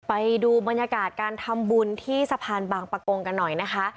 ไปดูบรรยากาศการทำบุญที่สะพานบางประกงกันหน่อยนะคะ